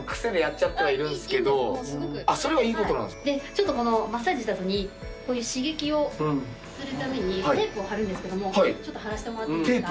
ちょっとこのマッサージした後に刺激をするためにテープを貼るんですけどもちょっと貼らせてもらっていいですか？